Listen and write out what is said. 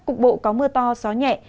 cục bộ có mưa to gió nhẹ